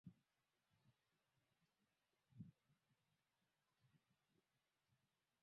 bado haujafika yaani bado mtotoPia Muharatwaga huweza kuongoza timu ya baraza tawala kwenye